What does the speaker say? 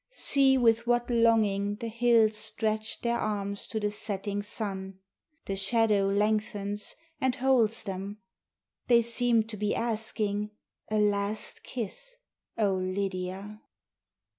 See with what longing the hills stretch their arms to the setting sun. The shadow lengthens and holds them; they seem to be asking A last kiss, O Lidia!